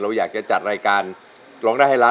อยากจะจัดรายการร้องได้ให้ร้าน